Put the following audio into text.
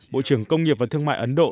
bộ trưởng công nghiệp và thương mại ấn độ